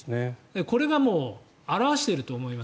これが表していると思います。